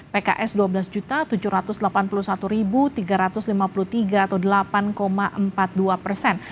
pks dua belas tujuh ratus delapan puluh satu tiga ratus lima puluh tiga atau delapan empat puluh dua persen